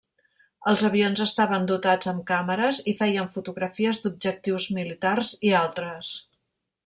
Els avions estaven dotats amb càmeres i feien fotografies d'objectius militars i altres.